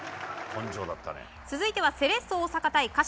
続いてはセレッソ大阪対鹿島。